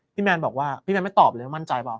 แมนบอกว่าพี่แนนไม่ตอบเลยว่ามั่นใจเปล่า